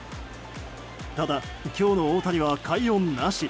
ただ今日の大谷は快音なし。